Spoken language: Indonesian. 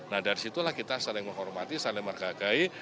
nah dari situlah kita saling menghormati saling menghargai